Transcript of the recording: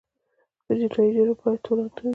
په جنایي جرم باید تورن نه وي.